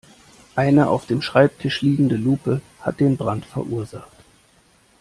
Eine auf dem Schreibtisch liegende Lupe hat den Brand verursacht.